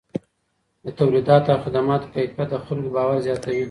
د توليداتو او خدماتو کیفیت د خلکو باور زیاتوي.